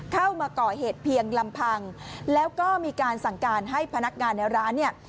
เข้ามาก่อเหตุเพียงลำพังแล้วก็มีการสั่งการให้พนักงานในร้านเนี่ย